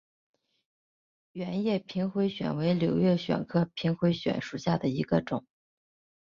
圆叶平灰藓为柳叶藓科平灰藓属下的一个种。